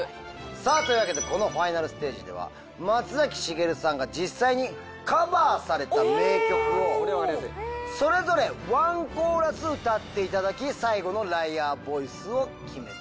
さあというわけでこのファイナルステージでは松崎しげるさんが実際にカバーされた名曲をそれぞれワンコーラス歌っていただき最後のライアーボイスを決めていただきます。